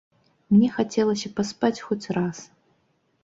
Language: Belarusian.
Мне хацелася паспаць хоць раз.